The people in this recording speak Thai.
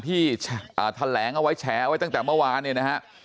ที่แถลงเอาไว้แฉไว้ตั้งแต่เมื่อวานเนี่ยนะฮะ